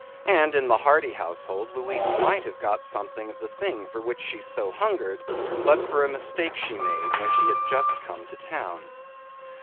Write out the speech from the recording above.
And in the Hardy household Louise might have got something of the thing for which she so hungered but for a mistake she made when she had just come to town.